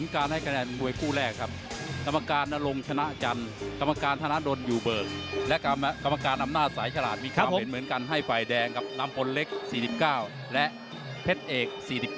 กรรมการอำนาจสายฉลาดมีความเห็นเหมือนกันให้ไฟแดงกับนำพลเล็ก๔๙และเพชรเอก๔๘